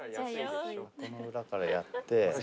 この裏からやって。